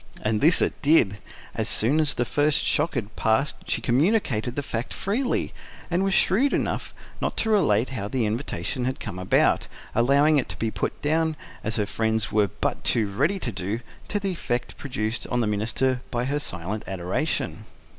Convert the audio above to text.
And this it did. As soon as the first shock had passed she communicated the fact freely, and was shrewd enough not to relate how the invitation had come about, allowing it to be put down, as her friends were but too ready to do, to the effect produced on the minister by her silent adoration.